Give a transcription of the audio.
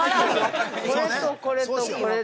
◆これとこれとこれで。